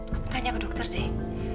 aku tanya ke dokter deh